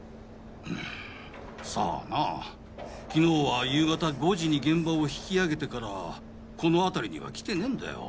さぁな昨日は夕方５時に現場を引き上げてからこの辺りには来てねぇんだよ。